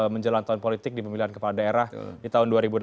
menjelang tahun politik di pemilihan kepala daerah di tahun dua ribu delapan belas